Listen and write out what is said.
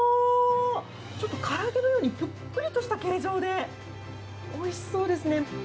ちょっと唐揚げのようにぷっくりとした形状でおいしそうですね。